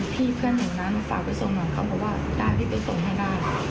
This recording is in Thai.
พี่เพื่อนของน้าสาวไปส่งหน่อยเขาเพราะว่าได้พี่ตัวส่งให้ได้